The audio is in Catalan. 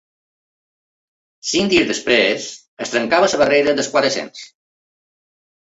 Cinc dies després, es trencava la barrera dels quatre-cents.